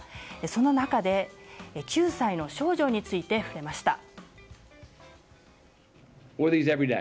その中で、９歳の少女について触れました。